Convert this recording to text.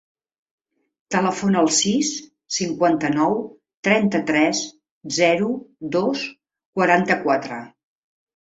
Telefona al sis, cinquanta-nou, trenta-tres, zero, dos, quaranta-quatre.